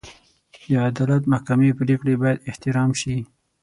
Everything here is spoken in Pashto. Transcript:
د عدالت محکمې پرېکړې باید احترام شي.